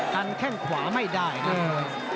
กันแข้งขวาไม่ได้นะ